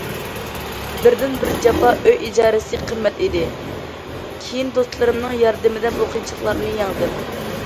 بىردىن بىر جاپا ئۆي ئىجارىسى قىممەت ئىدى، كېيىن دوستلىرىمنىڭ ياردىمىدە بۇ قىيىنچىلىقلارنى يەڭدىم.